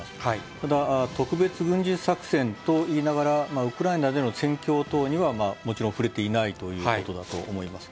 ただ、特別軍事作戦と言いながら、ウクライナでの戦況等にはもちろん触れていないということだと思います。